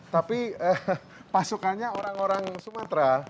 tapi pasukannya orang orang sumatera